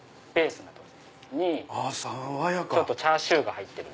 チャーシューが入ってる。